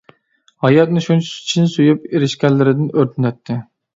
ھاياتنى شۇنچە چىن سۆيۈپ ئېرىشكەنلىرىدىن، ئۆرتىنەتتى.